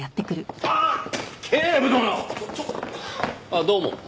あっどうも。